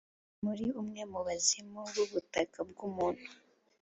muri umwe mu bazimu b'ubutaka bw'umuntu?